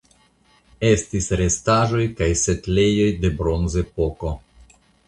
Estis restaĵoj kaj setlejoj de Bronzepoko.